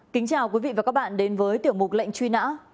kính chào quý vị và các bạn đến với tiểu mục lệnh truy nã